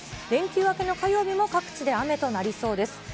連休明けの火曜日も各地で雨となりそうです。